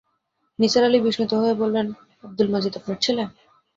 নিসার আলি বিস্মিত হয়ে বললেন, আব্দুল মজিদ আপনার ছেলে?